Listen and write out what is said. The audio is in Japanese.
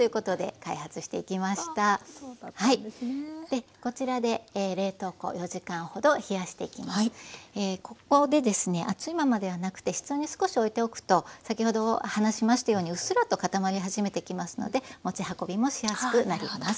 でこちらでここでですね熱いままではなくて室温に少しおいておくと先ほど話しましたようにうっすらと固まり始めてきますので持ち運びもしやすくなります。